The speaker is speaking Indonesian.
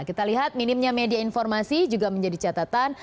kita lihat minimnya media informasi juga menjadi catatan